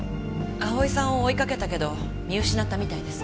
蒼さんを追いかけたけど見失ったみたいです。